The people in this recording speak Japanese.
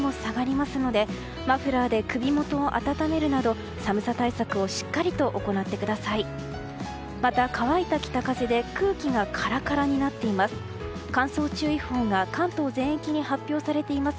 また、乾いた北風で空気がカラカラになっています。